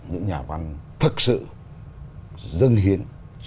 những nhà văn thật sự dân hiến